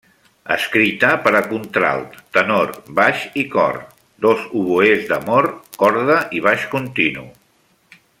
Escrita per a contralt, tenor, baix i cor; dos oboès d’amor, corda i baix continu.